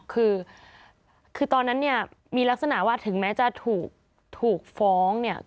คือตอนนั้นมีลักษณะว่าถึงแม้จะถูกฟ้อง